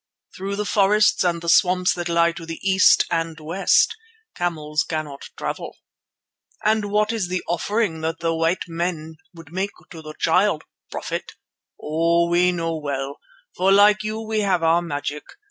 Through the forests and the swamps that lie to the east and west camels cannot travel." "And what is the offering that the white men would make to the Child, Prophet? Oh! we know well, for like you we have our magic.